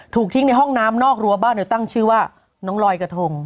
ถูกทิ้งในห้องน้ำนอกรั้วบ้านตั้งชื่อว่าน้องลอยกระทง